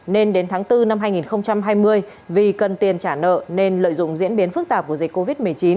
nên đến tháng bốn năm hai nghìn hai mươi vì cần tiền trả nợ nên lợi dụng diễn biến phức tạp của dịch covid một mươi chín